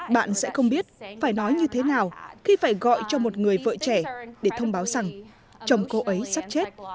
bạn sẽ không biết phải nói như thế nào khi phải gọi cho một người vợ trẻ để thông báo rằng chồng cô ấy sắp chết